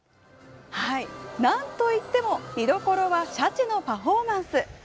なんといっても見どころはシャチのパフォーマンス。